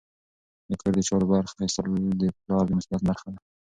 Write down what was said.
د کور د چارو برخه اخیستل د پلار د مسؤلیت برخه ده.